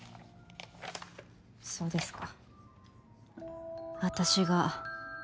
そうですか。